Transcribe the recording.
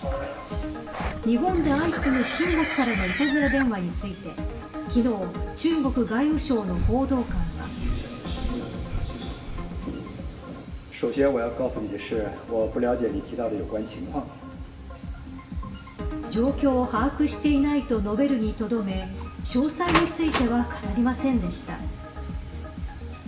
日本で相次ぐ中国からのいたずら電話について昨日、中国外務省の報道官は。状況を把握していないと述べるにとどめ詳細については語りませんでした。